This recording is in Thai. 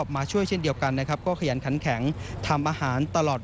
มาช่วยเช่นเดียวกันนะครับก็ขยันขันแข็งทำอาหารตลอด